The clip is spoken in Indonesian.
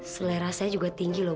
selera saya juga tinggi loh